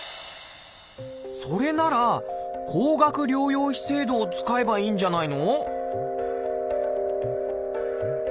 それなら高額療養費制度を使えばいいんじゃないの？